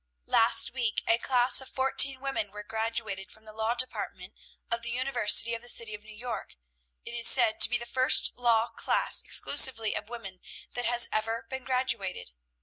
Last week a class of fourteen women were graduated from the law department of the University of the City of New York. It is said to be the first law class exclusively of women that has ever been graduated.